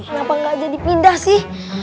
kenapa gak jadi pindah sih